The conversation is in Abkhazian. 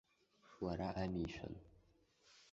Уара амишәан!